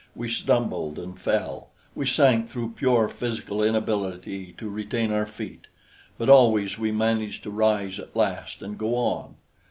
We stumbled and fell; we sank through pure physical inability to retain our feet; but always we managed to rise at last and go on.